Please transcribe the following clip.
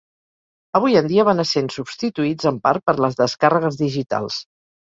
Avui en dia van essent substituïts en part per les descàrregues digitals.